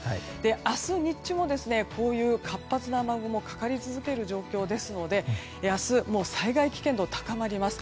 明日日中はこういう活発な雨雲がかかり続ける状況ですので明日、災害危険度高まります。